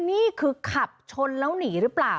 นี่คือขับชนแล้วหนีหรือเปล่า